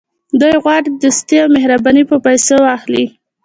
دوی غواړي دوستي او مهرباني په پیسو واخلي.